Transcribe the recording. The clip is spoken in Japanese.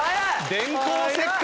電光石火！